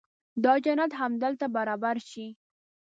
دا جنت همدلته برابر شي.